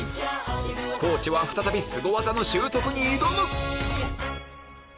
地は再びスゴ技の習得に挑む！